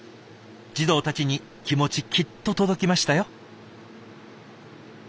児童たちに気持ちきっと届きましたよ。